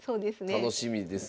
楽しみですね。